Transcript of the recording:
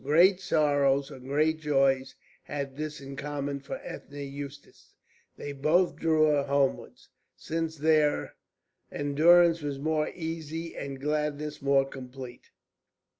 Great sorrows or great joys had this in common for Ethne Eustace, they both drew her homewards, since there endurance was more easy and gladness more complete.